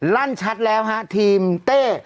ลั่นชัดแล้วฮะทีมเต้